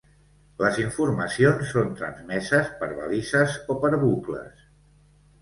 Les informacions són transmeses per balises o per bucles.